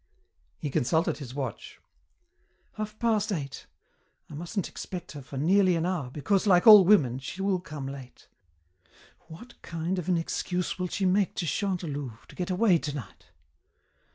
He consulted his watch. "Half past eight. I mustn't expect her for nearly an hour, because, like all women, she will come late. What kind of an excuse will she make to Chantelouve, to get away tonight?